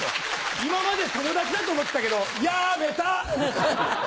今まで友達だと思ってたけどやめた！